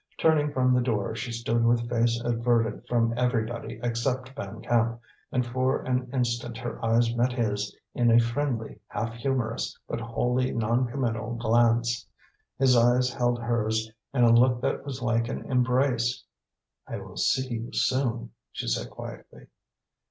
Turning from the door, she stood with face averted from everybody except Van Camp, and for an instant her eyes met his in a friendly, half humorous but wholly non committal glance. His eyes held hers in a look that was like an embrace. "I will see you soon," she said quietly.